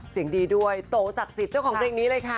เสียงดีด้วยโตศักดิ์สิทธิ์เจ้าของเพลงนี้เลยค่ะ